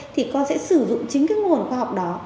thì con sẽ sử dụng chính cái nguồn khoa học đó